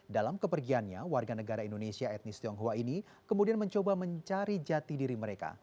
dalam kepergiannya warga negara indonesia etnis tionghoa ini kemudian mencoba mencari jati diri mereka